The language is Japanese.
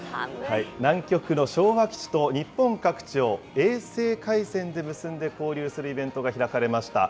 南極の昭和基地と日本各地を衛星回線で結んで交流するイベントが開かれました。